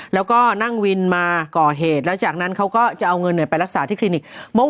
แล้วก็นั่งวินมาก่อเหตุแล้วจากนั้นเขาก็จะเอาเงินไปรักษาที่คลินิก